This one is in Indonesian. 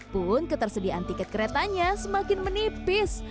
pun ketersediaan tiket keretanya semakin menipis